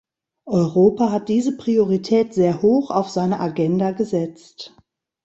Europa hat diese Priorität sehr hoch auf seine Agenda gesetzt.